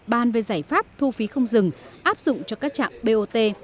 bàn về giải pháp thu phí không dừng áp dụng cho các trạm bot